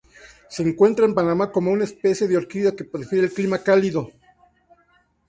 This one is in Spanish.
Se encuentra en Panamá como una especie de orquídea que prefiere el clima cálido.